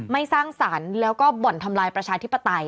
ไม่สร้างศาลแล้วก็บ่นทำลายประชาธิปไตย